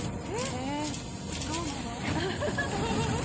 え、どうなの？